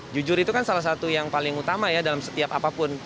jujur itu kan salah satu yang paling utama ya dalam setiap apapun